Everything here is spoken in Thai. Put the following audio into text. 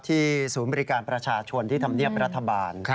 ศูนย์บริการประชาชนที่ทำเนียบรัฐบาล